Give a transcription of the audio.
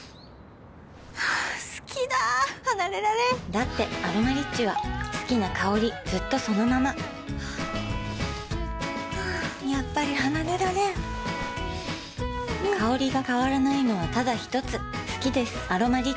好きだ離れられんだって「アロマリッチ」は好きな香りずっとそのままやっぱり離れられん香りが変わらないのはただひとつ好きです「アロマリッチ」